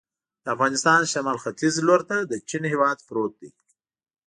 د افغانستان شمال ختیځ ته لور ته د چین هېواد پروت دی.